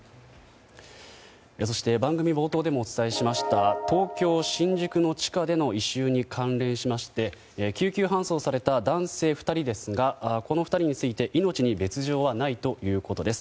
そして番組冒頭でもお伝えしました東京・新宿の地下での異臭に関連しまして救急搬送された男性２人ですがこの２人について命に別条はないということです。